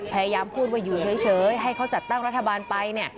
พยายามพูดว่าอยู่เฉยให้เขาจัดตั้งรัฐบาลไป